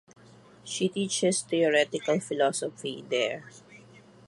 She teaches theoretical philosophy there.